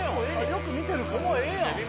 よく見てる感じ。